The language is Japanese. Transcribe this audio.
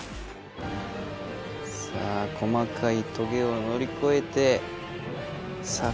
さあ細かいトゲをのりこえてさあ